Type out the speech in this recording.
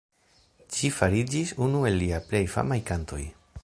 Ĝi fariĝis unu el liaj plej famaj kantoj.